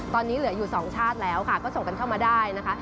ตอนนี้เหลืออยู่สองชาติแล้วค่ะก็ส่งกันเข้ามาได้นะคะ